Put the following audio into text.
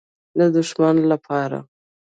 _د دښمن له پاره.